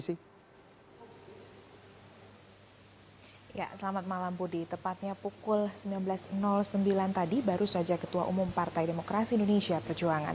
selamat malam budi tepatnya pukul sembilan belas sembilan tadi baru saja ketua umum partai demokrasi indonesia perjuangan